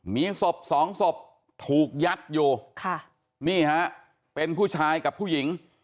มีศพสองศพถูกยัดอยู่ค่ะนี่ฮะเป็นผู้ชายกับผู้หญิง